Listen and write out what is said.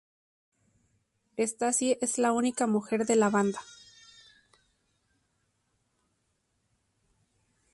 Stacie es la única mujer de la banda.